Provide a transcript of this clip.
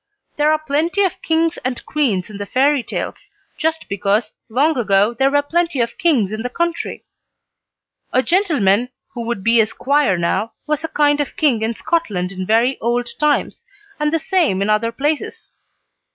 There are plenty of kings and queens in the fairy tales, just because long ago there were plenty of kings in the country. A gentleman who would be a squire now was a kind of king in Scotland in very old times, and the same in other places.